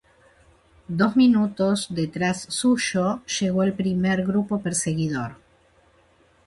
Dos minutos detrás suyo llegó el primer grupo perseguidor.